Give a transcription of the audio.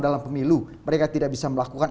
dalam pemilu mereka tidak bisa melakukan